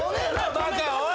バカおい！